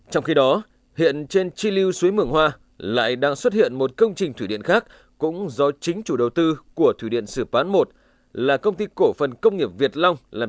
trong khi đó hiện trên chi lưu suối mường hoa lại đang xuất hiện một công trình thủy điện khác cũng do chính chủ đầu tư của thủy điện sử bán một là công ty cổ phần công nghiệp việt long làm